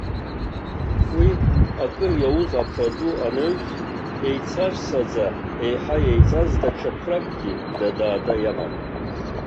Уи акыр иауз аԥра ду анаҩс еицарсаӡа еиҳа еиҵаз даҽа ԥракгьы надаада иаман.